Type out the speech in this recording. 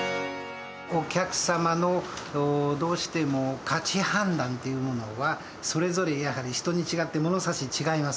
お客様のどうしても価値判断っていうものはそれぞれやはり人に違って物差し違います。